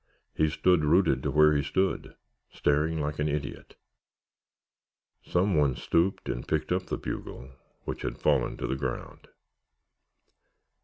He stood rooted to where he stood, staring like an idiot. Some one stooped and picked up the bugle which had fallen to the ground.